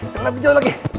yang lebih jauh lagi